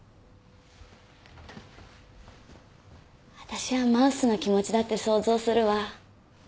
私はマウスの気持ちだって想像するわ。